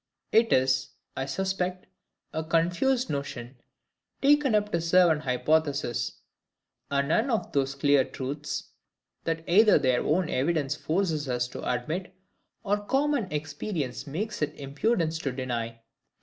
It is, I suspect, a confused notion, taken up to serve an hypothesis; and none of those clear truths, that either their own evidence forces us to admit, or common experience makes it impudence to deny.